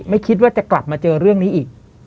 ไม่คิดว่าจะกลับมาเจอเรื่องนี้อีก